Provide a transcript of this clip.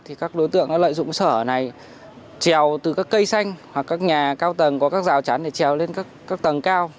thì các đối tượng đã lợi dụng sở này trèo từ các cây xanh hoặc các nhà cao tầng có các rào chắn để trèo lên các tầng cao